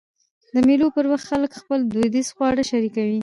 د مېلو پر وخت خلک خپل دودیز خواړه شریکوي.